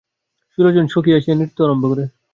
ষোলোজন সখী আসিয়া নৃত্য আরম্ভ করে।